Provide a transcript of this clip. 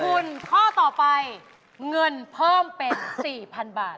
คุณข้อต่อไปเงินเพิ่มเป็น๔๐๐๐บาท